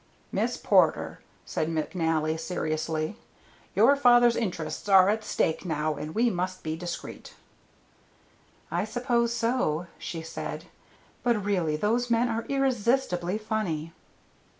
"Miss Porter," said McNally, seriously, "your father's interests are at stake now and we must be discreet." "I suppose so," she said; "but really those men are irresistibly funny."